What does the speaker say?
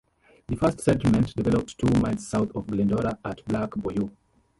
The first settlement developed two miles south of Glendora at Black Bayou.